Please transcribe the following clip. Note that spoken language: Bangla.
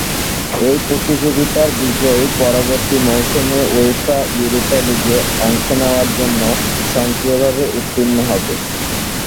এই প্রতিযোগিতার বিজয়ী পরবর্তী মৌসুমে উয়েফা ইউরোপা লীগে অংশ নেওয়ার জন্য স্বয়ংক্রিয়ভাবে উত্তীর্ণ হবে।